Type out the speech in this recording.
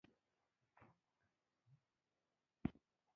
د بهرنیو دښمنانو له تېري مخنیوی.